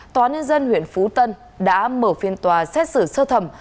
tòa nhân dân huyện phú tân đã mở phiên tòa xét xử sơ thẩm